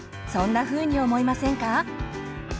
そんなふうに思いませんか？